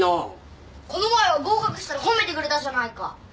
この前は合格したら褒めてくれたじゃないか